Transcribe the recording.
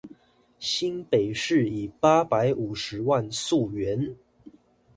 新北市以八百五十萬溯源